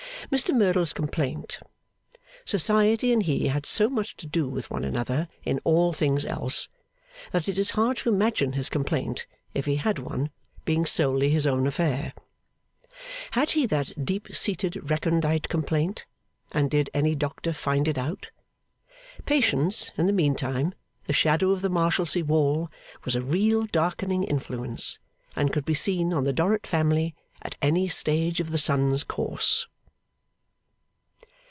Mr Merdle's complaint. Society and he had so much to do with one another in all things else, that it is hard to imagine his complaint, if he had one, being solely his own affair. Had he that deep seated recondite complaint, and did any doctor find it out? Patience, in the meantime, the shadow of the Marshalsea wall was a real darkening influence, and could be seen on the Dorrit Family at any stage of the sun's course.